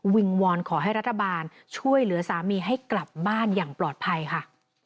วอนขอให้รัฐบาลช่วยเหลือสามีให้กลับบ้านอย่างปลอดภัยค่ะ